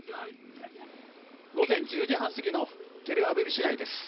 午前１０時半過ぎのテルアビブ市内です。